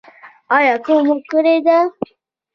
ایا اکو مو کړې ده؟